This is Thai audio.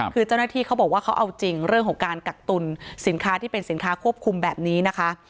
คือเจ้าหน้าที่เขาบอกว่าเขาเอาจริงเรื่องของการกักตุลสินค้าที่เป็นสินค้าควบคุมแบบนี้นะคะ